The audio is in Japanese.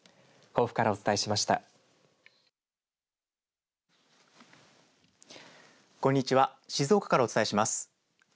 静岡からお伝えします。